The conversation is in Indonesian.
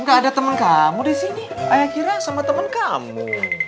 nggak ada temen kamu disini ayah kira sama temen kamu